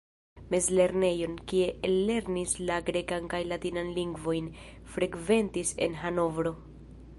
Mezlernejon, kie ellernis la grekan kaj latinan lingvojn, frekventis en Hanovro.